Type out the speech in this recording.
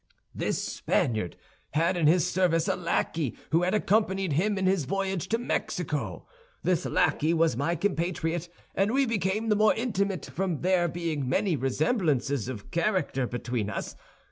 "This Spaniard had in his service a lackey who had accompanied him in his voyage to Mexico. This lackey was my compatriot; and we became the more intimate from there being many resemblances of character between us.